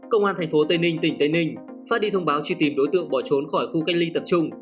công an tp tây ninh tỉnh tây ninh phát đi thông báo truy tìm đối tượng bỏ trốn khỏi khu cách ly tập trung